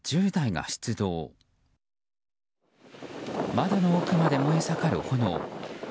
窓の奥まで燃え盛る炎。